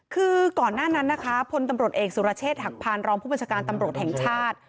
คือก่อนหน้านั้นนะคะพลตำรวจเอกสุรเชษฐหักพานรองผู้บัญชาการตำรวจแห่งชาติ